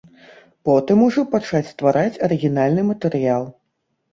Потым ужо пачаць ствараць арыгінальны матэрыял.